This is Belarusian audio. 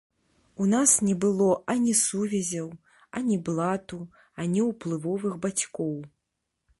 У нас не было ані сувязяў, ані блату, ані ўплывовых бацькоў.